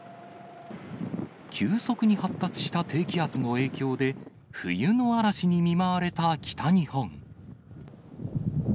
急速に発達した低気圧の影響で、冬の嵐に見舞われた北日本。